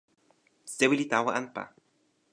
sewi li tawa anpa.